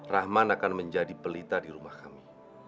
rahman akan menjadi pelita di rumah kami